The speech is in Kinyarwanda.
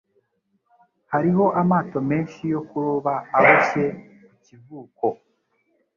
Hariho amato menshi yo kuroba aboshye ku kivuko.